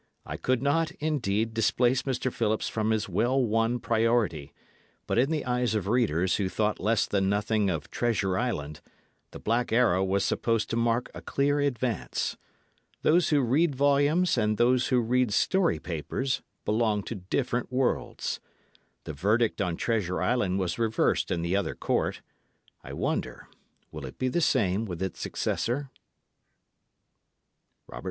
I could not, indeed, displace Mr. Phillips from his well won priority; but in the eyes of readers who thought less than nothing of Treasure Island, The Black Arrow was supposed to mark a clear advance. Those who read volumes and those who read story papers belong to different worlds. The verdict on Treasure Island was reversed in the other court; I wonder, will it be the same with its successor? _R. L.